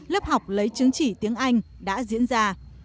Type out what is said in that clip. lớp học lấy chứng chỉ tiếng anh đã diễn ra